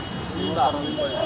airnya butak terkena limbah